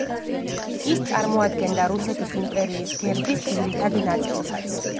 ის წარმოადგენდა რუსეთის იმპერიის გერბის ძირითად ნაწილსაც.